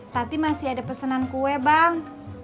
tadi masih ada pesenan kue bang